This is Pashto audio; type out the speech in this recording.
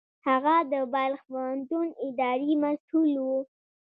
هغه د بلخ پوهنتون اداري مسوول و.